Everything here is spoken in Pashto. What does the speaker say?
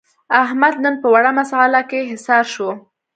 احمد نن په وړه مسعله کې حصار شو.